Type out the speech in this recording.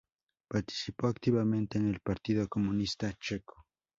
Participó activamente en el Partido Comunista Checo.